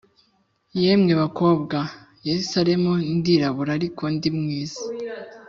Yemwe bakobwa b i Yerusalemu ndirabura ariko ndi mwizi